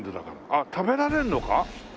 あっ食べられるのか？